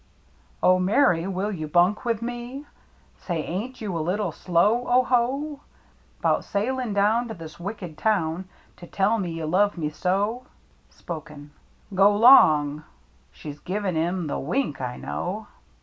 " Oh, Mary, will you bunk with me ?•« Say, ain't you a little slow, O ho ! 'Bout sailin' down To this wicked town To tell me you love me so ?" (Spoken) GO 'LONG ! She's pvin' 'im the wink, I know.